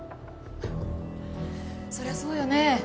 そりゃそうよね。